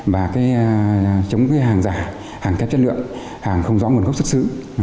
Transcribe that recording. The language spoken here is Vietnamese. và chống hàng giả hàng kém chất lượng hàng không rõ nguồn gốc xuất xứ